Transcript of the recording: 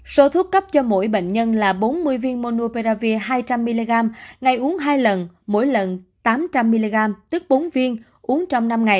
số thuốc cấp cho mỗi bệnh nhân là bốn mươi viên monopearavir hai trăm linh mg ngày uống hai lần mỗi lần tám trăm linh mg tức bốn viên uống trong năm ngày